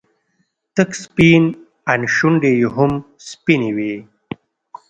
تک سپين ان شونډې يې هم سپينې وې.